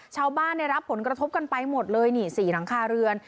ได้รับผลกระทบกันไปหมดเลยนี่๔หลังคาเรือน